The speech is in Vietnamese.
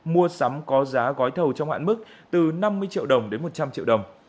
mua sắm có giá gói thầu trong hạn mức từ năm mươi triệu đồng đến một trăm linh triệu đồng